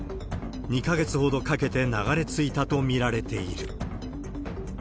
２か月ほどかけて流れ着いたと見られている。